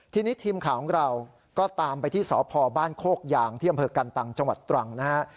ทีนี้ทีมข่าวของเราก็ตามไปที่สพบ้านโคกยางที่อำเภอกันตังจังหวัดตรังนะฮะ